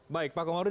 baik pak komarudin